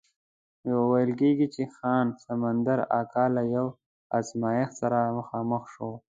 ویل کېږي چې خان سمندر اکا له یو ازمایښت سره مخامخ شو.